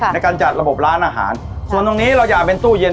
ในการจัดระบบร้านอาหารส่วนตรงนี้เราอยากเป็นตู้เย็น